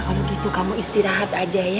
kalau gitu kamu istirahat aja ya